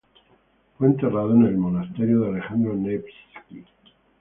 Fue enterrado en el monasterio de Alejandro Nevski.